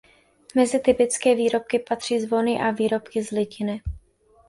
Mezi typické výrobky patří zvony a výrobky z litiny.